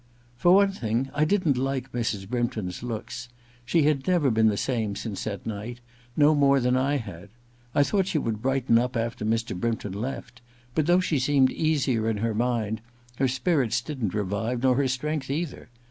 For one thing, I didn't like Mrs. Brympton's looks. She had never been the same since that night, no more than I had. I thought she would brighten up after Mr. Brympton left, but though she seemed easier in her mind, her spirits didn't revive, nor her strength either.